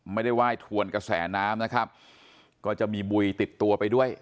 ไม่ได้ไหว้ถวนกระแสน้ำนะครับก็จะมีบุยติดตัวไปด้วย